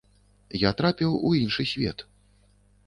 Я трапіў у іншы свет.